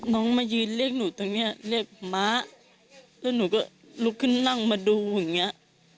มายืนเรียกหนูตรงเนี้ยเรียกม้าแล้วหนูก็ลุกขึ้นนั่งมาดูอย่างเงี้ย